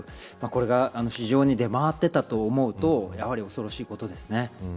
これが市場に出回ってたと思うと恐ろしいことですね。